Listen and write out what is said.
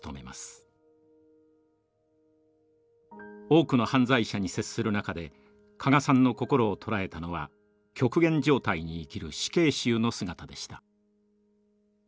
多くの犯罪者に接する中で加賀さんのこころを捉えたのは極限状態に生きる死刑囚の姿でした。